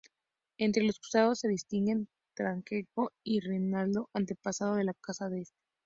Entre los cruzados se distinguen Tancredo y Reinaldo, antepasado de la casa de Este.